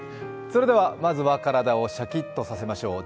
それではまずは体をシャキッとさせましょう。